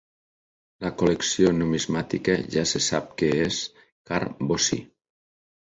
La col·lecció numismàtica ja se sap que és car bocí